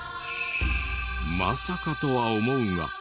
まさかとは思うが。